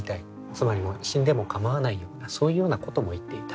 つまり死んでも構わないようなそういうようなことも言っていた。